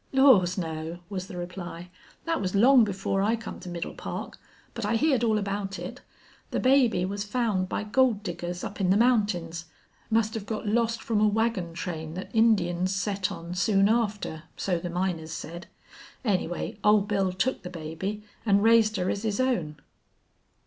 "Laws no!" was the reply. "Thet was long before I come to Middle Park. But I heerd all about it. The baby was found by gold diggers up in the mountains. Must have got lost from a wagon train thet Indians set on soon after so the miners said. Anyway, Old Bill took the baby an' raised her as his own."